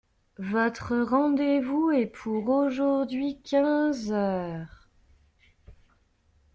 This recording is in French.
Votre rendez-vous est pour aujourd’hui quinze heures.